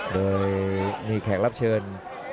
โดยมีแขกรับเชิญ